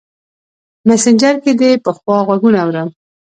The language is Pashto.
مسینجر کې دې پخوا غـــــــږونه اورم